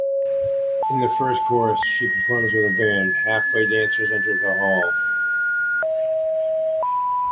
In the first chorus, she performs with a band; halfway dancers enter the hall.